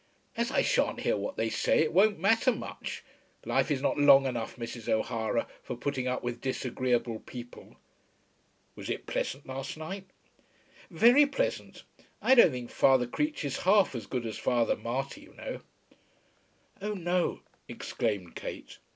"As I sha'n't hear what they say, it won't matter much! Life is not long enough, Mrs. O'Hara, for putting up with disagreeable people." "Was it pleasant last night?" "Very pleasant. I don't think Father Creech is half as good as Father Marty, you know." "Oh no," exclaimed Kate.